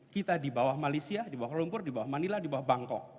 kita di bawah malaysia di bawah lumpur di bawah manila di bawah bangkok